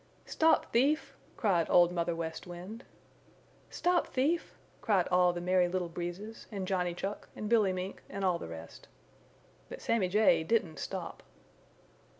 "Stop thief!" cried Old Mother West Wind. "Stop thief!" cried all the Merry Little Breezes and Johnny Chuck and Billy Mink and all the rest. But Sammy Jay didn't stop.